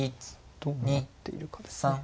どうなっているかですね。